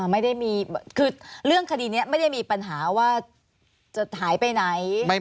ไม่ได้มีคือเรื่องคดีนี้ไม่ได้มีปัญหาว่าจะหายไปไหน